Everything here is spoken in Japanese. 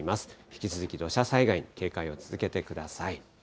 引き続き土砂災害に警戒を続けてください。